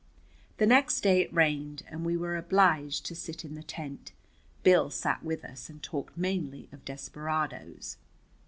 The next day it rained, and we were obliged to sit in the tent. Bill sat with us, and talked mainly of desperadoes.